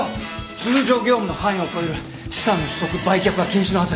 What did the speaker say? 通常業務の範囲を超える資産の取得売却は禁止のはず。